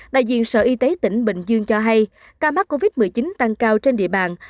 đại diện sở y tế tỉnh bình dương cho hay ca mắc covid một mươi chín tăng cao trên địa bàn